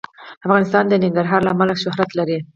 افغانستان د ننګرهار له امله شهرت لري.